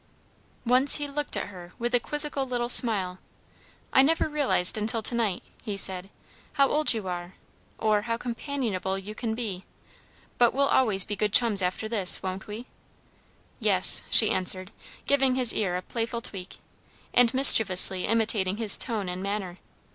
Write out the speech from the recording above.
Once he looked at her with a quizzical little smile. "I never realised until to night," he said, "how old you are, or how companionable you can be. But we'll always be good chums after this, won't we?" "Yes," she answered, giving his ear a playful tweak, and mischievously imitating his tone and manner.